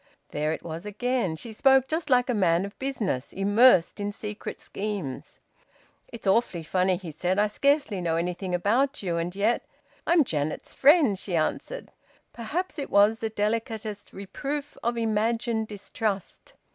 There it was again! She spoke just like a man of business, immersed in secret schemes. "It's awfully funny," he said. "I scarcely know anything about you, and yet " "I'm Janet's friend!" she answered. Perhaps it was the delicatest reproof of imagined distrust.